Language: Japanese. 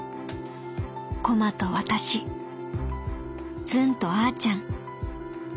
コマと私ズンとあーちゃん。